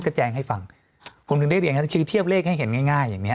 ก็แจ้งให้ฟังผมถึงได้เรียนชี้เทียบเลขให้เห็นง่ายง่ายอย่างเง